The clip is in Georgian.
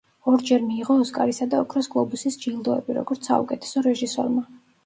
ორჯერ მიიღო ოსკარისა და ოქროს გლობუსის ჯილდოები, როგორც საუკეთესო რეჟისორმა.